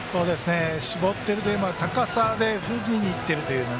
絞っているというよりも高さで振りにいっている。